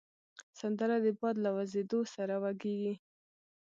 سندره د باد له وزېدو سره وږیږي